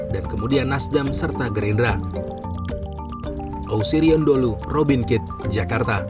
dan kemudian nasdam serta gerindra